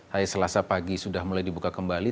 hari selasa pagi sudah mulai dibuka kembali